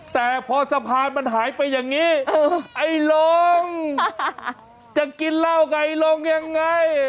แต่พอสะพานมันหายไปอย่างนี้ไอ้ลงจะกินเหล้าไงลงยังไง